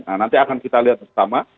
nah nanti akan kita lihat bersama